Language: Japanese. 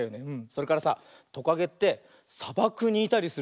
それからさトカゲってさばくにいたりするんだよね。